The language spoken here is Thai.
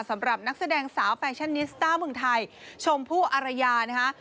สำหรับนักแสดงสาวแฟชั่นนิสต้าเมืองไทยชมพู่อารยานะคะ